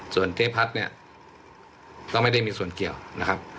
ส่วนเจ๊พัดเนี่ยก็ไม่ได้มีส่วนเกี่ยวนะครับ